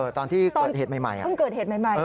ตอนที่เกิดเหตุใหม่นะครับตอนเกิดเหตุใหม่